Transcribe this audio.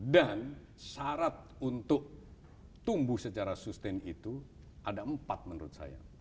dan syarat untuk tumbuh secara sustain itu ada empat menurut saya